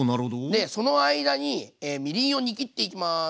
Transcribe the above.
でその間にみりんを煮切っていきます。